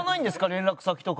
連絡先とかは。